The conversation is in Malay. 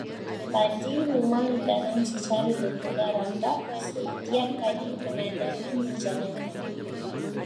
Padi huma ditanam secara berpindah-randah setiap kali penanaman dijalankan.